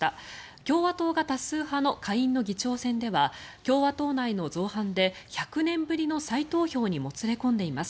共和党が多数派の下院の議長選では共和党内の造反で１００年ぶりの再投票にもつれ込んでいます。